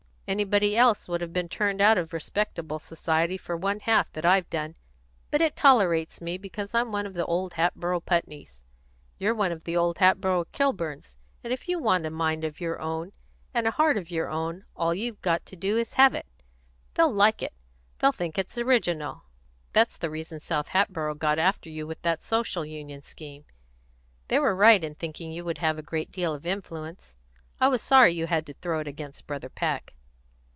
Anybody else would have been turned out of respectable society for one half that I've done, but it tolerates me because I'm one of the old Hatboro' Putneys. You're one of the old Hatboro' Kilburns, and if you want to have a mind of your own and a heart of your own, all you've got to do is to have it. They'll like it; they'll think it's original. That's the reason South Hatboro' got after you with that Social Union scheme. They were right in thinking you would have a great deal of influence. I was sorry you had to throw it against Brother Peck."